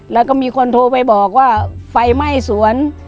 แล้วก็มีคนโทรไปบอกว่าไฟไหม้สวน